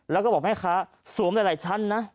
แล้วก็บอกแม่ค้าสวมหลายชั้นนะ